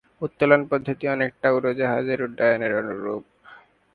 উত্তোলন পদ্ধতি অনেকটা উড়োজাহাজের উড্ডয়নের অনুরূপ।